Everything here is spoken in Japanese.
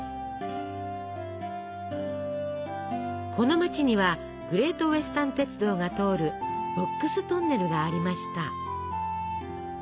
この町には「グレート・ウェスタン鉄道」が通る「ボックス・トンネル」がありました。